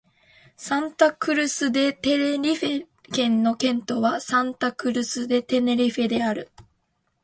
サンタ・クルス・デ・テネリフェ県の県都はサンタ・クルス・デ・テネリフェである